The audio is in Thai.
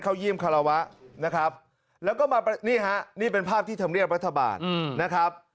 เข้ายิ่มฮาราวะนะครับแล้วก็มาเป็นนี่ฮะอันนี้เป็นภาพที่ทำเรียบรัฐบาลนะครับ